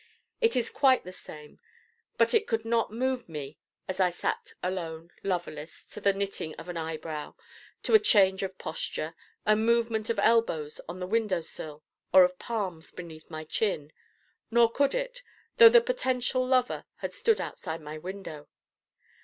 It is quite the same but it could not move me as I sat alone loverless to the knitting of an eyebrow, to a change of posture, a movement of elbows on the window sill or of palms beneath my chin. Nor could it, though the potential Lover had stood outside my window.